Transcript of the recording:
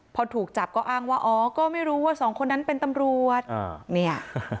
พอถูกจับก็อ้างว่าอ๋อก็ไม่รู้ว่าสองคนนั้นเป็นตำรวจเนี่ย